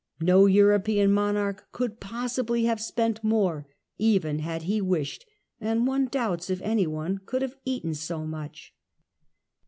No European monarch could possibly have spent more, even had he wished, and one doubts if any one could have eaten so much